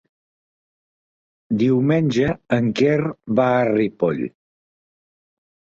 Diumenge en Quer va a Ripoll.